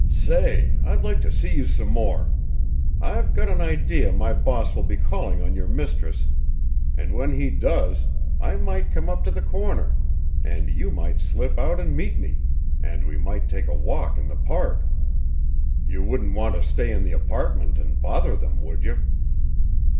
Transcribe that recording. "Say, I'd like to see you some more. I've got an idea my boss will be calling on your mistress, and when he does I might come up to the corner, and you might slip out and meet me, and we might take a walk in the Park. You wouldn't want to stay in the apartment and bother them, would you?"